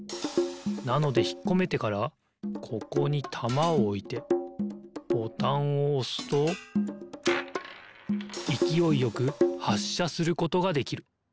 なのでひっこめてからここにたまをおいてボタンをおすといきおいよくはっしゃすることができる。